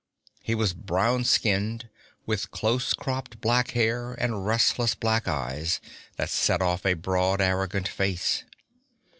He was brown skinned, with close cropped black hair and restless black eyes that set off a broad, arrogant face.